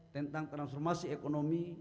tentang transformasi ekonomi